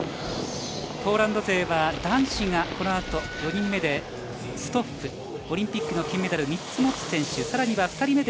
ポーランド勢は男子がこのあと４人目でストック、オリンピックの金メダルを３つ持つ選手。